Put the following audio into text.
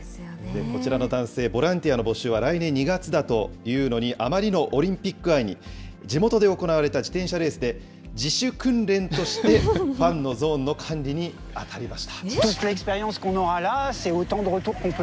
こちらの男性、ボランティアの募集は来年２月だというのに、あまりのオリンピック愛に、地元で行われた自転車レースで自首訓練として、ファンのゾーンの管理にあたりました。